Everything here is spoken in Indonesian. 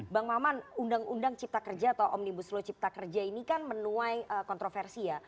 bang maman undang undang cipta kerja atau omnibus law cipta kerja ini kan menuai kontroversi ya